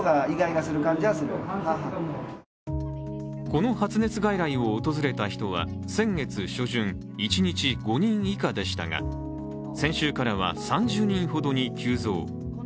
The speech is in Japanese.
この発熱外来を訪れた人は、先月初旬一日５人以下でしたが先週からは３０人ほどに急増。